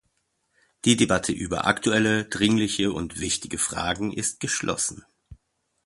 Die Debatte über aktuelle, dringliche und wichtige Fragen ist geschlossen.